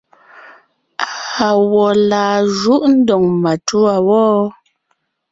Awɔ̌ laa júʼ ndóŋ matûa wɔ́?